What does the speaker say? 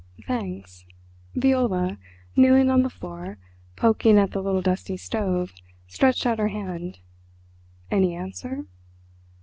"Thanks." Viola, kneeling on the floor, poking at the little dusty stove, stretched out her hand. "Any answer?"